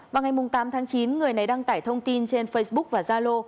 vào ngày tám tháng chín người này đăng tải thông tin trên facebook và zalo